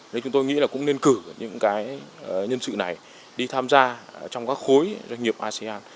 nên chúng tôi nghĩ cũng nên cử những nhân sự này đi tham gia trong các khối doanh nghiệp asean